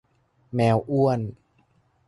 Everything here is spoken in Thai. แมวอ้วน